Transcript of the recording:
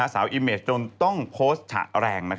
อีเมจจนต้องโพสต์ฉะแรง